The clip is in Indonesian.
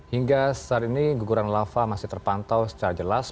hingga saat ini guguran lava masih terpantau secara jelas